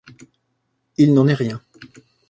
Il n’en est rien !